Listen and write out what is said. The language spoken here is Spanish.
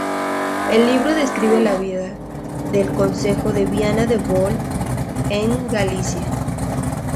El libro describe la vida del concejo de Viana do Bolo en Galicia.